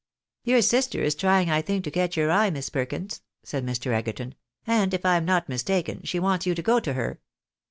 " Your sister is trying, I think, to catch your eye, IMiss Perkins," said Mr. Egerton ;" and, if I am not mistaken, she wants you to go to her."